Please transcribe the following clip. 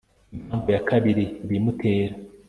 impamvu ya kabiri ibimutera